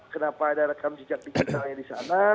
kenapa ada rekam jejak digitalnya di sana